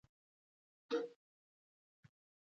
د نا ارامۍ تبه یې په وبا بدلېږي.